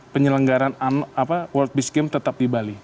penyelenggaran world beach game tetap di bali